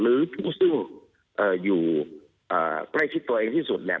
หรือผู้ซึ่งอยู่ใกล้ชิดตัวเองที่สุดเนี่ย